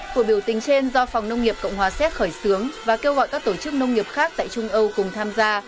cuộc biểu tình trên do phòng nông nghiệp cộng hòa séc khởi xướng và kêu gọi các tổ chức nông nghiệp khác tại trung âu cùng tham gia